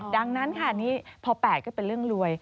ดังนั้นค่ะนี่พอ๘ก็เป็นเรื่องรวย